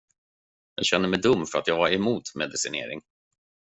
Jag känner mig dum för att jag var emot medicinering.